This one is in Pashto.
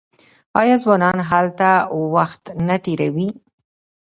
آیا ځوانان هلته وخت نه تیروي؟